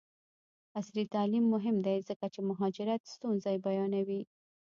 عصري تعلیم مهم دی ځکه چې د مهاجرت ستونزې بیانوي.